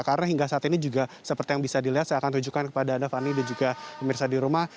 karena hingga saat ini juga seperti yang bisa dilihat saya akan tunjukkan kepada anda fani dia juga pemirsa di rumah